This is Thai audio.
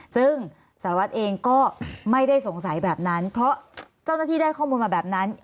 ซึ่งสารวัตรเองก็ไม่ได้สงสัยแบบนั้นเพราะเจ้าหน้าที่ได้ข้อมูลมาแบบนั้น